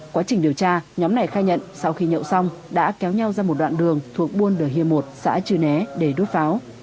quá trình điều tra nhóm này khai nhận sau khi nhậu xong đã kéo nhau ra một đoạn đường thuộc buôn nở hiê một xã chư né để đốt pháo